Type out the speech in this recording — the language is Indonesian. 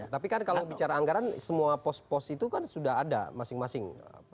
tapi kan kalau bicara anggaran semua pos pos itu kan sudah ada masing masing